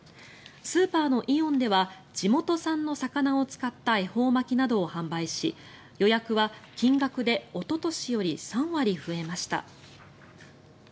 スーパーのイオンでは地元産の魚を使った恵方巻きなどを販売し予約は金額でおととしより３割増えました。